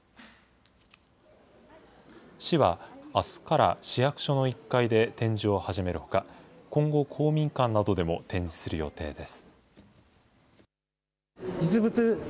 市はあすから市役所の１階で展示を始めるほか、今後、公民館などでも展示する予定です。